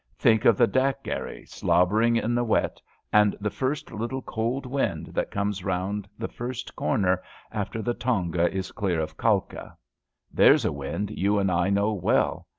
Think of the dak gharry slobbering in the wet, and the first little cold wind that comes round the first corner after the tonga is clear of Kalka. There's a wind you and I know well.